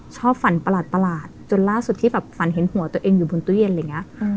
ฝันประหลาดจนล่าสุดที่แบบฝันเห็นหัวตัวเองอยู่บนตู้เย็นอะไรอย่างนี้